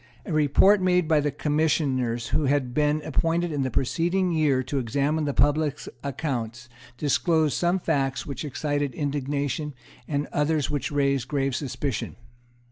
A report made by the Commissioners who had been appointed in the preceding year to examine the public accounts disclosed some facts which excited indignation, and others which raised grave suspicion.